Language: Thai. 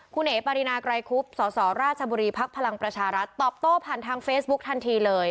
คุณเอ๋ปารินาไกรคุบสสราชบุรีภักดิ์พลังประชารัฐตอบโต้ผ่านทางเฟซบุ๊คทันทีเลย